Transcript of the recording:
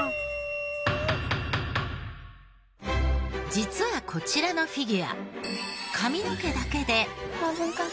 実はこちらのフィギュア髪の毛だけで。